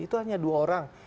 itu hanya dua orang